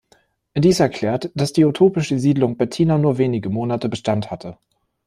Dies erklärt, dass die utopische Siedlung Bettina nur wenige Monate Bestand hatte.